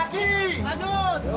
lanjut dua meter lagi